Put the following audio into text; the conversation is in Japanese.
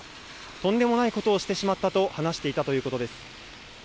とんでもないことをしてしまったと話していたということです。